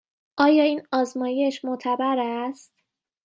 آیا این آزمایش معتبر است؟